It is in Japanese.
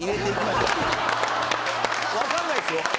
わかんないですよ。